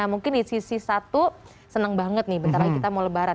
mungkin di sisi satu senang banget nih bentar lagi kita mau lebaran